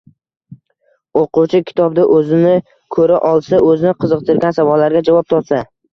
O‘quvchi kitobda o‘zini ko‘ra olsa, o‘zini qiziqtirgan savollarga javob topsa